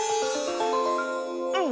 うん。